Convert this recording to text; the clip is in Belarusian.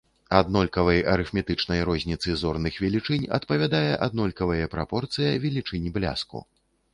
Аднолькавай арыфметычнай розніцы зорных велічынь адпавядае аднолькавае прапорцыя велічынь бляску.